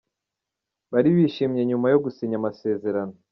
bari bishimye nyuma yo gusinya amasezerano.